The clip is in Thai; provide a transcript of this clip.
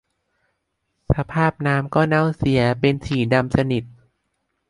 สภาพน้ำก็เน่าเสียเป็นสีดำสนิท